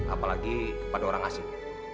apalagi kepada orang asing